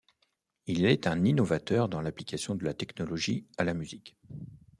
Il est un innovateur dans l'application de la technologie à la musique.